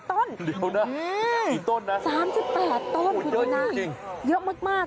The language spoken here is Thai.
๓๘ต้นคุณลุยนะเยอะมาก